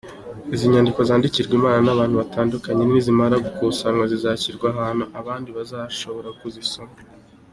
Izi nyandiko zandikirwa Imana n’abantu batandukanye, nizimara gukusanywa zizashyirwa ahantu abandi bazashobora kuzisoma.